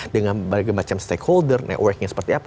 dengan berbagai macam stakeholder networknya seperti apa